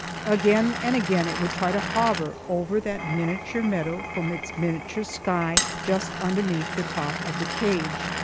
Again and again it would try to hover over that miniature meadow from its miniature sky just underneath the top of the cage.